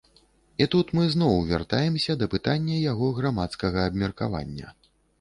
І тут мы зноў вяртаемся да пытання яго грамадскага абмеркавання.